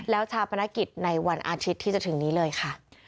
แล้วชาปนกิจในวันอาทิตย์ที่จะถึงนี้เลยค่ะ